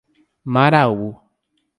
Maraú